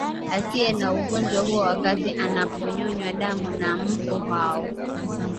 asiye na ugonjwa huo wakati anaponyonywa damu na mbu hao